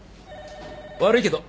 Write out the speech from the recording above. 悪いけど